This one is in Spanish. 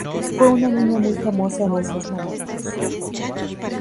Y fue una niña muy famosa en esos momentos.